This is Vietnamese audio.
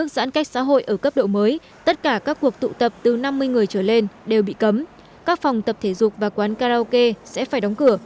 xin kính chào quý vị